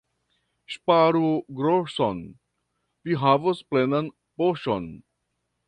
Ŝparu groŝon — vi havos plenan poŝon.